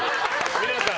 皆さん！